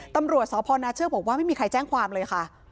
ตำรวจสพนาเชือกบอกว่าไม่มีใครแจ้งความเลยค่ะ